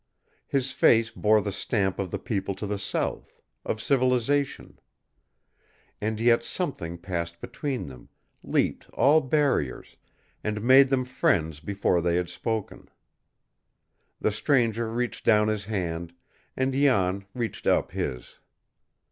His face bore the stamp of the people to the south, of civilization. And yet something passed between them, leaped all barriers, and made them friends before they had spoken. The stranger reached down his hand, and Jan reached up his.